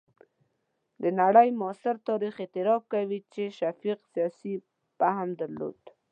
د نړۍ معاصر تاریخ اعتراف کوي چې شفیق سیاسي فهم درلود.